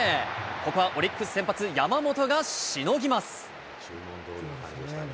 ここはオリックス先発、山本がしのぎます。